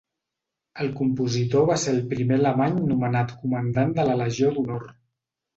El compositor va ser el primer alemany nomenat Comandant de la Legió d'Honor.